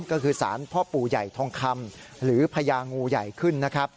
ก็คือสารพ่อปู่ใหญ่ทองคำหรือพญางูใหญ่ขึ้นนะครับ